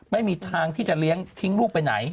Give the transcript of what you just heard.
ไม่มีทางที่จะเลี้ยงทิ้งลูกไปไหน